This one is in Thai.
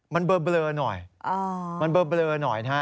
มันเบลอหน่อย